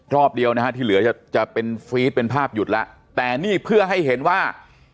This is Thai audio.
รอบเดียวนะฮะที่เหลือจะจะเป็นฟีดเป็นภาพหยุดแล้วแต่นี่เพื่อให้เห็นว่า